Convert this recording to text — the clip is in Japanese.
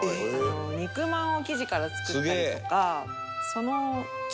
「肉まんを生地から作ったりとか」